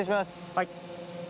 はい。